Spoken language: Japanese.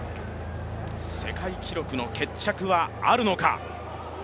世界記録の決着はあるのか。